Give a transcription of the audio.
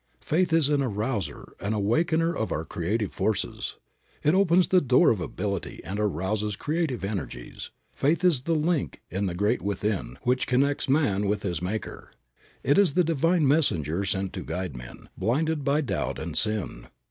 Faith is an arouser, an awakener of our creative forces. It opens the door of ability and arouses creative energies. Faith is the link in the Great Within which connects man with his Maker. It is the divine messenger sent to guide men, blinded by doubt and sin.